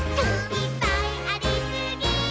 「いっぱいありすぎー！！」